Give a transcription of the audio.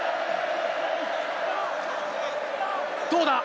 どうだ？